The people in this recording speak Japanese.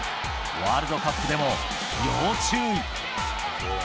ワールドカップでも要注意。